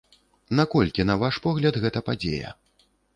Наколькі, на ваш погляд, гэта падзея?